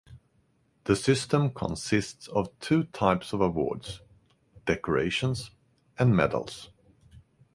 The system consists of two types of awards: decorations and medals.